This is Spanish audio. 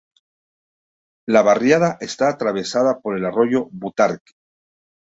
La barriada está atravesada por el Arroyo Butarque.